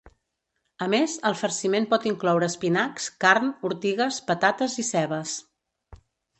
A més, el farciment pot incloure espinacs, carn, ortigues, patates i cebes.